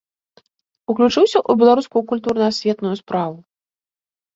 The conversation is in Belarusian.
Уключыўся ў беларускую культурна-асветную справу.